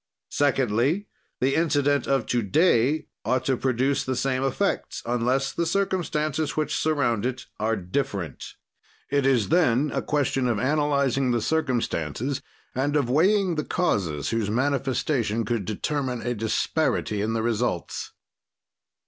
"Secondly, the incident of to day ought to produce the same effects, unless the circumstances which surround it are different. "It is then a question of analyzing the circumstances and of weighing the causes whose manifestation could determine a disparity in the results.